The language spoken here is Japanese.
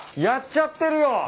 やっちゃってるよ。